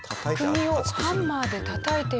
釘をハンマーでたたいています。